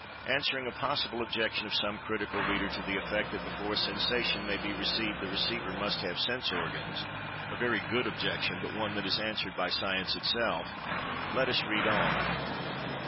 Answering a possible objection of some critical reader, to the effect that before a "sensation" may be received, the receiver must have "sense organs"—a very good objection, but one that is answered by Science itself—let us read on.